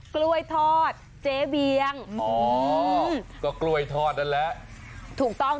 กล้วยทอดเจ๊เวียงอ๋อก็กล้วยทอดนั่นแหละถูกต้อง